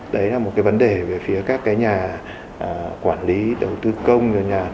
đấy là một cái vấn đề về phía các nhà quản lý đầu tư công